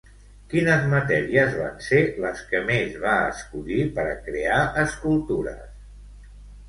Quines matèries van ser les que més va escollir per a crear escultures?